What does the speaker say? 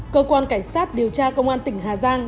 cơ quan cảnh sát điều tra công an tỉnh hà giang